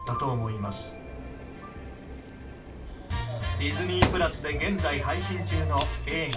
ディズニープラスで現在配信中の映画